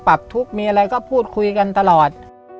ปรับทุกข์มีอะไรก็พูดคุยกันตลอด